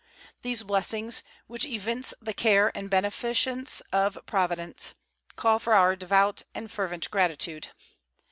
These blessings, which evince the care and beneficence of Providence, call for our devout and fervent gratitude.